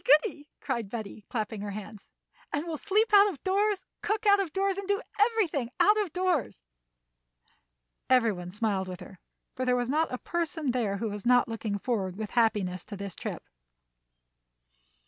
goody!" called Betty, clapping her hands. "And we'll sleep out of doors, cook out of doors, and do everything out of doors." Every one smiled with her, for there was not a person there who was not looking forward with happiness to this trip.